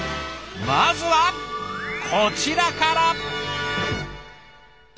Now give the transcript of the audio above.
まずはこちらから。